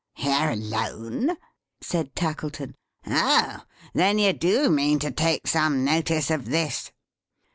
"Here alone?" said Tackleton. "Oh! Then you do mean to take some notice of this?"